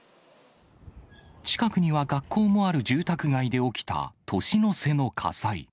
近くには学校もある住宅街で起きた年の瀬の火災。